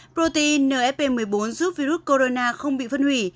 protein nfp một mươi bốn giúp virus corona không bị phân hủy